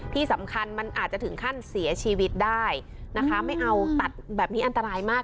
ที่สำคัญมันอาจจะถึงขั้นเสียชีวิตได้นะคะไม่เอาตัดแบบนี้อันตรายมาก